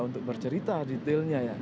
untuk bercerita detailnya ya